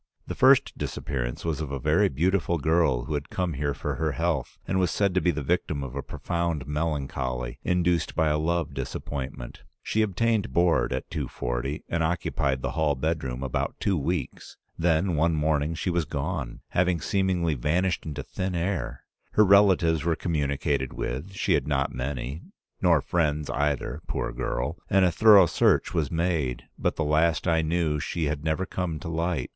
The first disappearance was of a very beautiful girl who had come here for her health and was said to be the victim of a profound melancholy, induced by a love disappointment. She obtained board at 240 and occupied the hall bedroom about two weeks; then one morning she was gone, having seemingly vanished into thin air. Her relatives were communicated with; she had not many, nor friends either, poor girl, and a thorough search was made, but the last I knew she had never come to light.